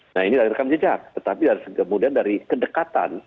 nah ini adalah rekam jejak tapi kemudian dari kedekatan